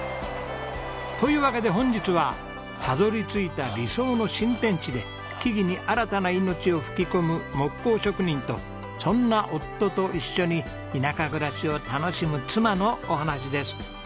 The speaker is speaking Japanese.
というわけで本日はたどり着いた理想の新天地で木々に新たな命を吹き込む木工職人とそんな夫と一緒に田舎暮らしを楽しむ妻のお話です。